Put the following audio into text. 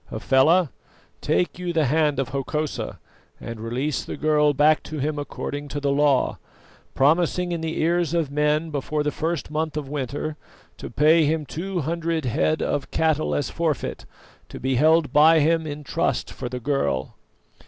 Hafela, take you the hand of Hokosa and release the girl back to him according to the law, promising in the ears of men before the first month of winter to pay him two hundred head of cattle as forfeit, to be held by him in trust for the girl."